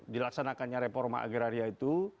dilaksanakannya reforma agraria itu